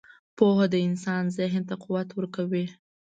• پوهه د انسان ذهن ته قوت ورکوي.